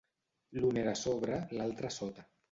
L'un era sobre, l'altre sota.